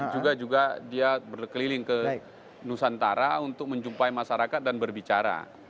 juga juga dia berkeliling ke nusantara untuk menjumpai masyarakat dan berbicara